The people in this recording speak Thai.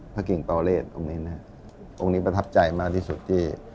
พระกิงตอเรศองค์นี้นะฮะองค์นี้ประทับใจมากที่สุดที่